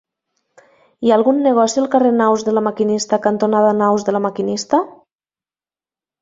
Hi ha algun negoci al carrer Naus de La Maquinista cantonada Naus de La Maquinista?